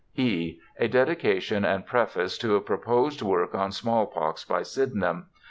[e) A dedication and preface to a proposed work on small pox by Sydenham.